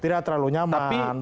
tidak terlalu nyaman